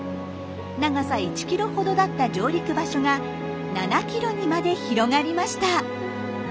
長さ１キロほどだった上陸場所が７キロにまで広がりました。